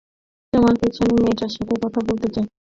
তোমার পিছনের মেয়েটার সাথে কথা বলতে চাই।